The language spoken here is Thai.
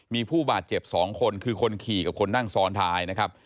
มีผู้บาดเจ็บ๒คนคือคนขี่กับคนนั่งซ้อนท้ายนะครับ